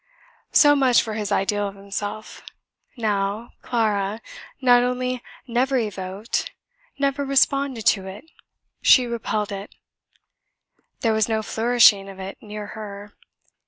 So much for his ideal of himself. Now, Clara not only never evoked, never responded to it, she repelled it; there was no flourishing of it near her.